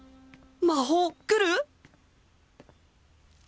魔法来る！？